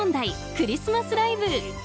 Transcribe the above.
クリスマスライブ」。